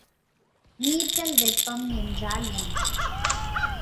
நீர்த்தல் வெப்பம் என்றால் என்ன?